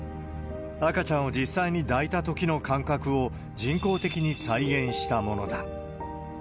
赤ちゃんを実際に抱いたときの感覚を人工的に再現したものだ。